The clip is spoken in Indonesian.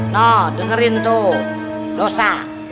nah dengerin tuh dosa